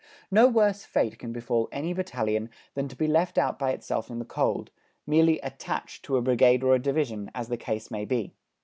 No worse fate can befall any Battalion than to be left out by itself in the cold, merely "attached" to a Brigade or a Division, as the case may be.